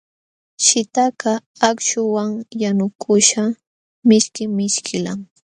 Shitqakaq akśhuwan yanukuśhqa mishki mishkillam.